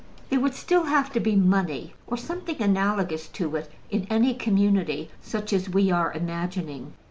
There would still have to be money, or something analogous to it, in any community such as we are imagining.